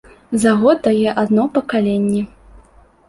За год дае адно пакаленне.